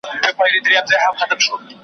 کارنامې د لویو خلکو د لرغونو انسانانو .